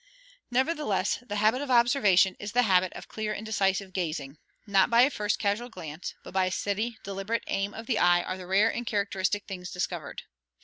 Nevertheless, the habit of observation is the habit of clear and decisive gazing. Not by a first casual glance, but by a steady deliberate aim of the eye are the rare and characteristic things discovered.